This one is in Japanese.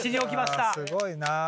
すごいな。